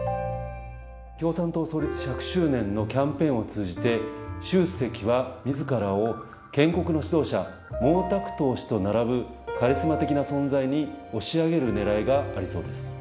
共産党創立１００周年のキャンペーンを通じて、習主席はみずからを、建国の指導者、毛沢東氏と並ぶ、カリスマ的な存在に押し上げるねらいがありそうです。